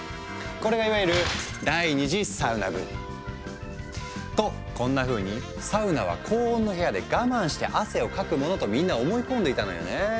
これがいわゆるとこんなふうに「サウナは高温の部屋で我慢して汗をかくもの」とみんな思い込んでいたのよね。